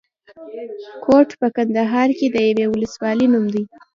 کوټ په ننګرهار کې د یوې ولسوالۍ نوم دی.